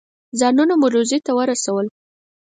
ځانونه مو روضې ته ورسول.